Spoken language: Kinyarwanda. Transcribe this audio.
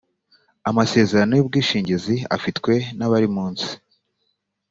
amasezerano y ubwishingizi afitwe n abari munsi